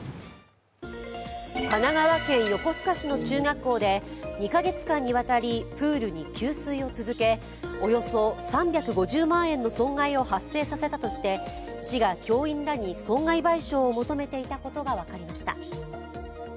神奈川県横須賀市の中学校で２カ月間にわたりプールに給水を続け、およそ３５０万円の損害を発生させたとして、市が教員らに損害賠償を求めていたことが分かりました。